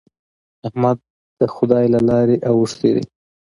احمد د خدای له لارې اوښتی دی.